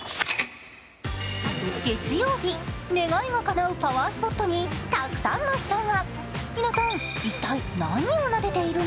月曜日、願いがかなうパワースポットにたくさんの人が。